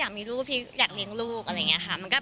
แต่ก็ไม่ได้คิดว่ารีบขนาดนั้นเอาชัวร์ดีกว่า